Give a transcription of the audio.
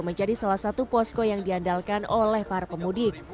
menjadi salah satu posko yang diandalkan oleh para pemudik